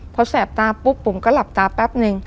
พอแสบตาปุ๊บผมก็หลับตาแป๊บนึง